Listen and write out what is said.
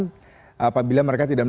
apabila mereka tidak melakukan transformasi